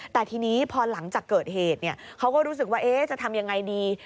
แต่ทีนี้พอหลังจากเกิดเหตุเขาก็รู้สึกว่าจะทำยังไงดี